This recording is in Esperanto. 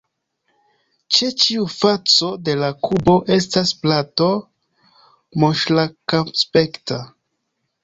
Ĉe ĉiu faco de la kubo estas plato, monŝrankaspekta.